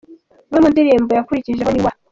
Zimwe mu ndirimbo yakurikijeho ni “W.